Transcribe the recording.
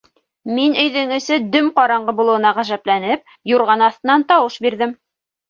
Мин өйҙөң эсе дөм-ҡараңғы булыуына ғәжәпләнеп, юрған аҫтынан тауыш бирҙем.